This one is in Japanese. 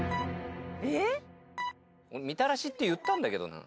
みたらしって言ったんだけどな。